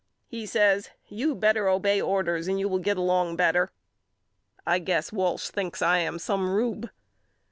He says You better obey orders and you will git along better. I guess Walsh thinks I am some rube.